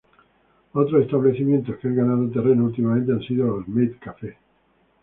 Otros establecimientos que han ganado terreno últimamente han sido los "maid cafe".